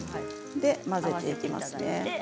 混ぜていきます。